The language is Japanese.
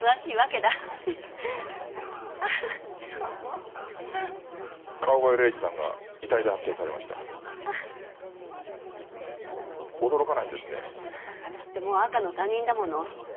だってもう赤の他人だもの。